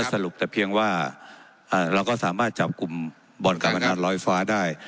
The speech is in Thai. สรุปแต่เพียงว่าเราก็สามารถจับกลุ่มบ่อนการพนันลอยฟ้าได้